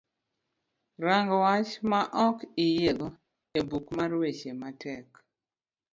rang' wach ma ok iyiego e buk mar weche matek